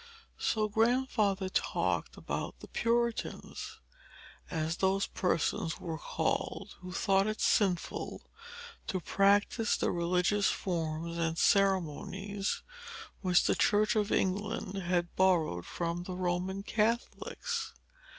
So, Grandfather talked about the Puritans, as those persons were called who thought it sinful to practise the religious forms and ceremonies which the Church of England had borrowed from the Roman Catholics.